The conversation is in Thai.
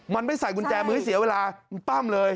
มันไม่ใส่กุญแจมือให้เสียเวลามันปั้มเลย